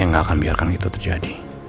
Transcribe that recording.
saya nggak akan biarkan itu terjadi